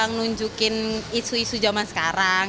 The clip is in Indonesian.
nunjukin isu isu zaman sekarang